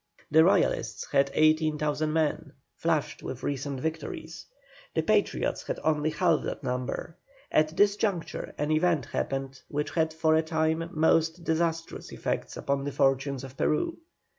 The Royalists had 18,000 men, flushed with recent victories; the Patriots had only half that number. At this juncture an event happened which had for a time most disastrous effects upon the fortunes of Peru.